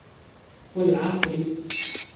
وَالْعَصْرِ